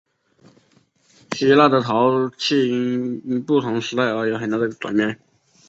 希腊的陶器因应不同时代而有很大的转变。